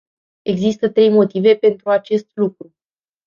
Există trei motive pentru acest lucru.